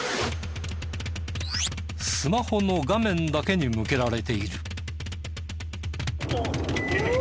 スマホの画面だけに向けられている。